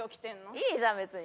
いいじゃん別に。